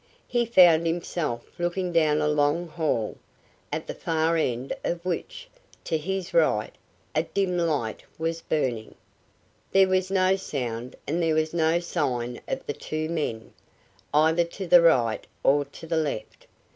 He found himself looking down a long hall, at the far end of which, to his right, a dim light was burning. There was no sound and there was no sign of the two men, either to the right or to the left.